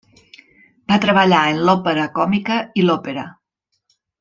Va treballar en l'Òpera Còmica i l'Òpera.